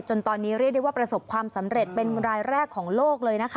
ตอนนี้เรียกได้ว่าประสบความสำเร็จเป็นรายแรกของโลกเลยนะคะ